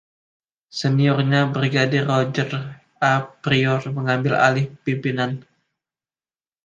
Seniornya Brigadir Roger A.Priyor mengambil alih pimpinan.